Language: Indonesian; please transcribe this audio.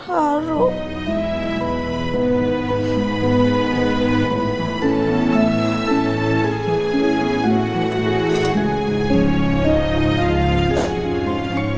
kamu benar benar bagus dan makin baik dan semangat